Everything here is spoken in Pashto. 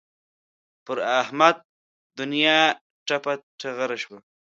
پر احمد دونیا ټپه ټغره شوه.